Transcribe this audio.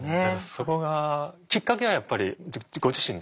そこがきっかけはやっぱりご自身で？